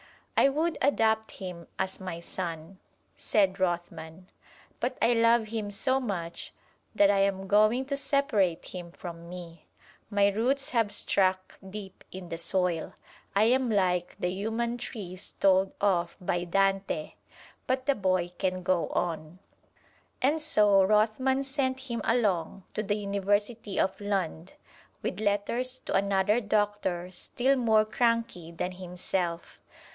"I would adopt him as my son," said Rothman; "but I love him so much that I am going to separate him from me. My roots have struck deep in the soil: I am like the human trees told of by Dante; but the boy can go on!" And so Rothman sent him along to the University of Lund, with letters to another doctor still more cranky than himself.